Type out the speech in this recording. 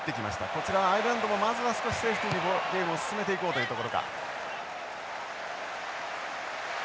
こちらはアイルランドもまずは少しセーフティーにゲームを進めていこうというところか。